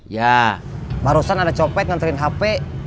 ya barusan ada copet nganterin hp